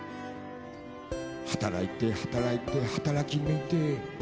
「働いて働いて働きぬいて」